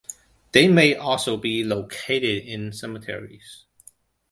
They may also be located in cemeteries.